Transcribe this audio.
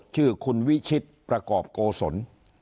ชื่อคุณวิชิตประกอบโกศล